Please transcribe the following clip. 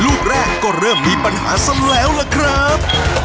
ลูกแรกก็เริ่มมีปัญหาซ้ำแล้วล่ะครับ